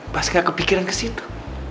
pas gak kepikiran ke situ